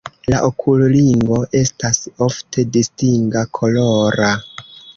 La okulringo estas ofte distinga kolora.